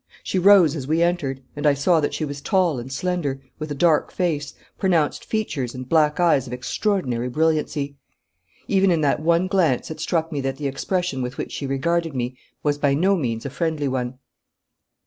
She rose as we entered, and I saw that she was tall and slender, with a dark face, pronounced features, and black eyes of extraordinary brilliancy. Even in that one glance it struck me that the expression with which she regarded me was by no means a friendly one.